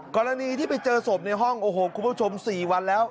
กรณีที่ไปเจอศพในห้องโอ้โหคุณผู้ชม๔วันแล้ว